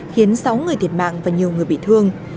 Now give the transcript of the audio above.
khiến sáu người thiệt mạng và nhiều người bị thương